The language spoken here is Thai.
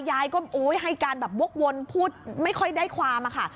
ยายก็ให้การแบบวกวนพูดไม่ค่อยได้ความอะค่ะ